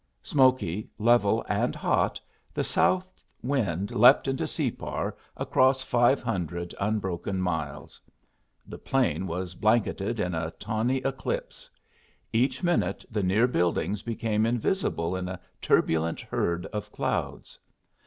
Smoky, level, and hot, the south wind leapt into Separ across five hundred unbroken miles. The plain was blanketed in a tawny eclipse. Each minute the near buildings became invisible in a turbulent herd of clouds.